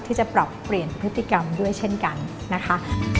ที่จะปรับเปลี่ยนพฤติกรรมด้วยเช่นกันนะคะ